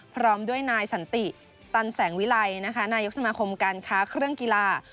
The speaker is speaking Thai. พร้อมด้วยนายสันติตันแสงวิลัยนะคะนายกสมาคมการค้าเครื่องกีฬา